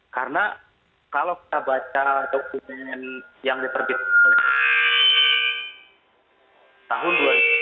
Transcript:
karena kalau kita baca dokumen yang diterbitkan tahun dua ribu enam belas